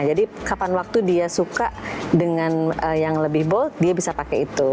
jadi kapan waktu dia suka dengan yang lebih bold dia bisa pakai itu